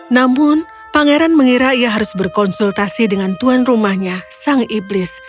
namun pangeran mengira ia harus berkonsultasi dengan tuan rumahnya sang iblis